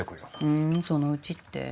ふんそのうちって？